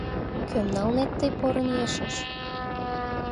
Кӧм налнет тый порын ешыш?»